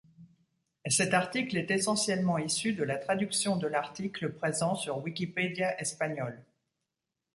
Cet article est essentiellement issu de la traduction de l'article présent sur Wikipedia espagnole.